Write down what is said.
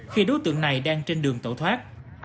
khi đối tượng này đang trên đường tẩu thoát